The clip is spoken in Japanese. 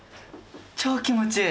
超気持ちいい。